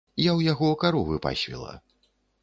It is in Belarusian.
Я ў яго каровы пасвіла.